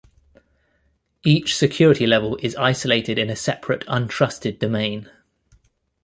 Each security level is isolated in a separate untrusted domain.